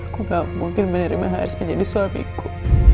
aku gak mungkin menerima harus menjadi suamiku